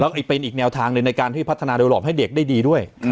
แล้วก็เป็นอีกเนียวทางเลยในการผ้าทานาดิวรอบให้เด็กได้ดีด้วย